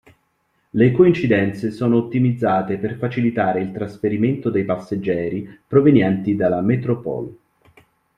Le coincidenze sono ottimizzate per facilitare il trasferimento dei passeggeri provenienti dalla Métropole.